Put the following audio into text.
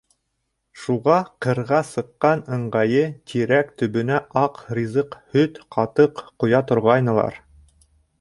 Шуға ҡырға сыҡҡан ыңғайы тирәк төбөнә аҡ ризыҡ — һөт, ҡатыҡ — ҡоя торғайнылар.